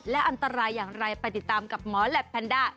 และอันตรายอย่างไรไปติดตามกับหมอแหลปแพนด้า